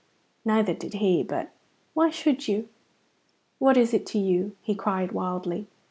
Neither did he; but, "Why should you? What is it to you!" he cried wildly.